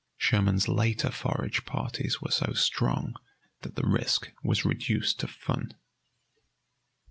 Sherman's later forage parties were so strong that the risk was reduced to fun.